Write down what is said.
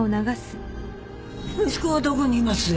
息子はどこにいます？